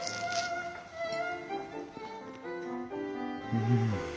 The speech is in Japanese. うん。